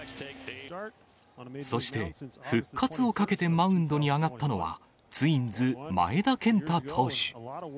そして、復活をかけてマウンドに上がったのは、ツインズ、前田健太投手。